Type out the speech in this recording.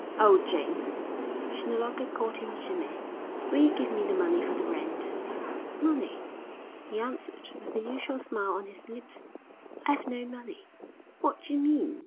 'Oh, James!' she no longer called him Jimmy 'will you give me the money for the rent?' 'Money?' he answered with the usual smile on his lips. 'I 'ave no money.' 'What d'you mean?